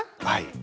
はい。